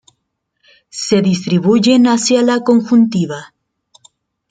Se distribuyen hacia la conjuntiva.